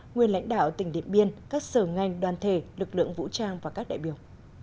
nguyên lãnh đạo tỉnh điện biên các sở ngành đoàn thể lực lượng vũ trang và các đại biểu